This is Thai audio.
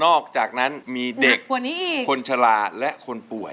อกจากนั้นมีเด็กคนชะลาและคนป่วย